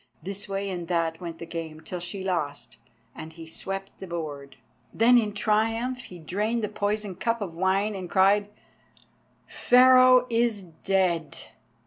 This way and that went the game, till she lost, and he swept the board. Then in triumph he drained the poisoned cup of wine, and cried, "Pharaoh is dead!"